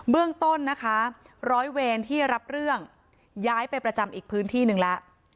เรื่องต้นนะคะร้อยเวรที่รับเรื่องย้ายไปประจำอีกพื้นที่หนึ่งแล้ว